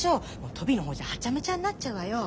トビの方じゃハチャメチャになっちゃうわよ。